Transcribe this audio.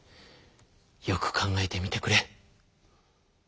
よく考えてみてくれ。